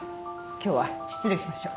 今日は失礼しましょう。